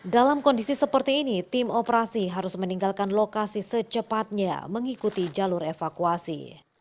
dalam kondisi seperti ini tim operasi harus meninggalkan lokasi secepatnya mengikuti jalur evakuasi